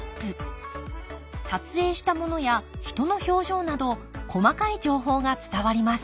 撮影したものや人の表情など細かい情報が伝わります。